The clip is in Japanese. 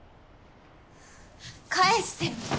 返してよ。